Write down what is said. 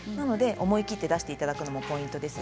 思い切って出していただくのもポイントです。